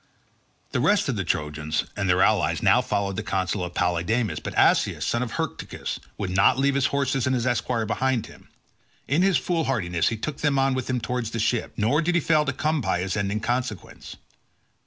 The rest of the Trojans and their allies now followed the counsel of Polydamas but Asius, son of Hyrtacus, would not leave his horses and his esquire behind him; in his foolhardiness he took them on with him towards the ships, nor did he fail to come by his end in consequence.